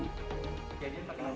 tapi lo udah lama emang